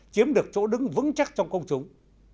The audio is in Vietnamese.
chiếm được chỗ đứng vững chắc trong công chúng